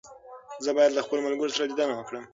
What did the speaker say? زه بايد له خپلو ملګرو سره ليدنه وکړم.